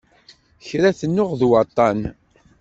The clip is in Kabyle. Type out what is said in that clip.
Kra tennuɣ d waṭṭan.